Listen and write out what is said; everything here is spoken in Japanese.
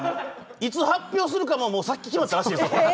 いつ発表するかも、さっき決まったらしいです。